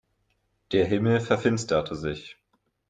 Der Himmel verfinsterte sich.